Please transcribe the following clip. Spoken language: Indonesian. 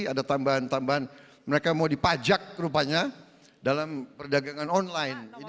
ada tambahan tambahan mereka mau dipajak rupanya dalam perdagangan online